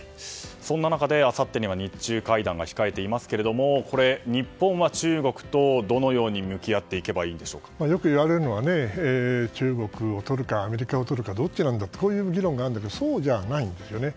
そんな中であさってには日中会談が控えていますがこ日本は中国とどのように向き合っていけばよく言われるのが中国をとるかアメリカをとるかどっちなんだという議論があるんですけれどもそうじゃないんですよね。